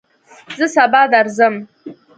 زه سبا درځم